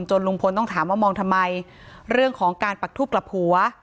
ลุงพลต้องถามว่ามองทำไมเรื่องของการปักทูบกลับหัว